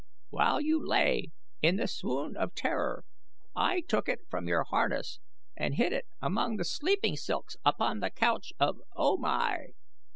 While you lay in the swoon of terror I took it from your harness and hid it among the sleeping silks upon the couch of O Mai.